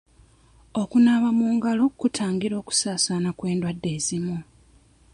Okunaaba mu ngalo kutangira okusaasaana kw'endwadde ezimu.